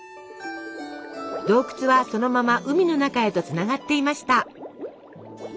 洞窟はそのまま海の中へとつながっていました！